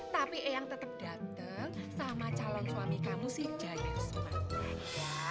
tapi eang tetap dateng sama calon suami kamu si jagir sumpah